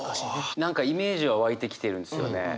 何かイメージは湧いてきてるんですよね。